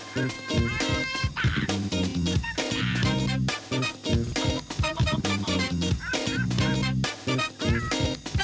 สวัสดีค่ะ